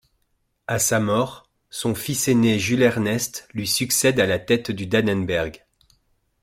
À sa mort, son fils aîné Jules-Ernest lui succède à la tête du Dannenberg.